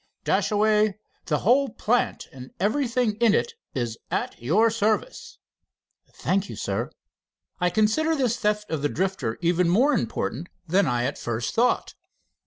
"Dashaway, the whole plant and everything in it is at your service." "Thank you, Sir." "I consider this theft of the Drifter even more important than I at first thought."